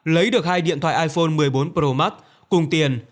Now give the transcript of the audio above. lấy được hai điện thoại iphone một mươi bốn pro max cùng tiền